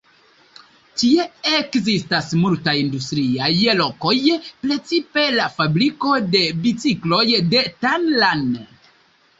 Tie ekzistas multaj industriaj lokoj, precipe la fabriko de bicikloj de Tan Lan.